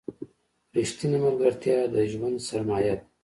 رښتینې ملګرتیا د ژوند سرمایه ده.